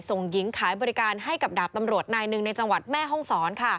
ส่งหญิงขายบริการให้กับดาบตำรวจนายหนึ่งในจังหวัดแม่ห้องศร